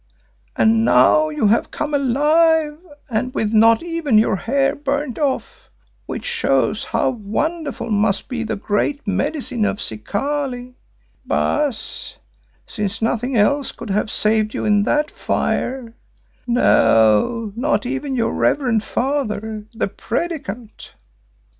And now you have come alive and with not even your hair burnt off, which shows how wonderful must be the Great Medicine of Zikali, Baas, since nothing else could have saved you in that fire, no, not even your reverend father, the Predikant."